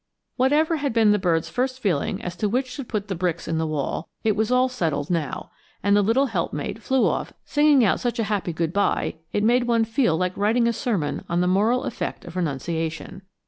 Whatever had been the birds' first feeling as to which should put the bricks in the wall, it was all settled now, and the little helpmate flew off singing out such a happy good by it made one feel like writing a sermon on the moral effect of renunciation.